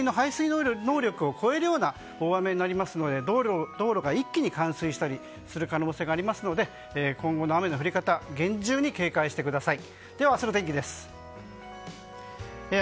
これも下水の排水能力を超えるような大雨になりますので道路が一気に冠水したりする可能性がありますので今後の雨の降り方厳重に警戒してください。